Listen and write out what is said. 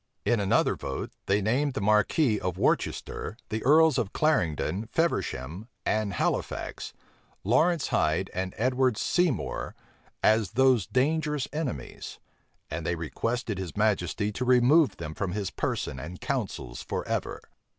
In another vote, they named the marquis of Worcester, the earls of Clarendon, Feversham, and Halifax, Laurence Hyde, and Edward Seymour, as those dangerous enemies; and they requested his majesty to remove them from his person and councils forever.